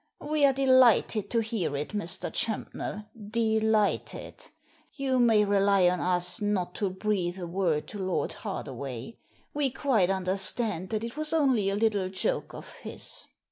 "We are delighted to hear it, Mr. Champnell — delighted ! You may rely on us not to breathe a word to Lord Hardaway; we quite understand that it was only a little joke of his.